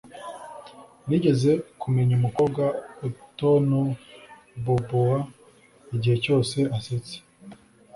Nigeze kumenya umukobwa utonboboa igihe cyose asetse